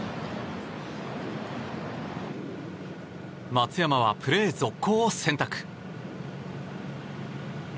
松山はプレー続行を選択。